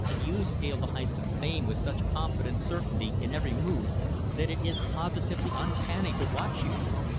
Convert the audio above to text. You scale the heights of fame with such confident certainty in every move that it is positively uncanny to watch you."